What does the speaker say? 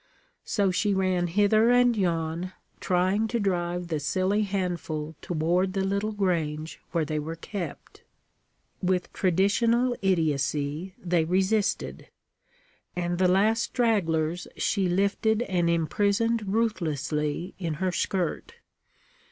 So she ran hither and yon, trying to drive the silly handful toward the little grange where they were kept. With traditional idiocy, they resisted; and the last stragglers she lifted and imprisoned ruthlessly in her skirt.